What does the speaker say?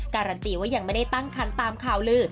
การันตีว่ายังไม่ได้ตั้งคันตามข่าวลือ